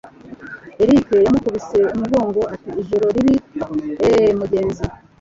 Eric yamukubise umugongo, ati: "Ijoro ribi, eh mugenzi?"